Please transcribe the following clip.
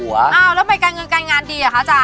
อ้าวแล้วไปการเงินการงานดีอ่ะคะอาจาร